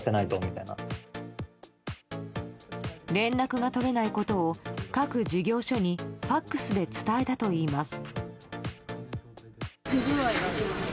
連絡が取れないことを各事業所にＦＡＸで伝えたといいます。